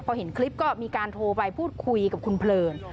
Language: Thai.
พอเห็นคลิปก็มีการโทรไปพูดคุยกับคุณเพลิน